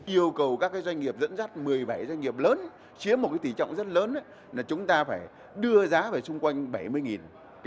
yêu cầu các doanh nghiệp dẫn dắt một mươi bảy doanh nghiệp lớn chiếm một tỷ trọng rất lớn là chúng ta phải đưa giá về xung quanh bảy mươi